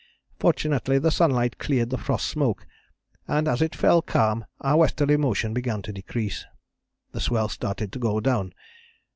Fortunately the sunlight cleared the frost smoke, and as it fell calm our westerly motion began to decrease. The swell started to go down.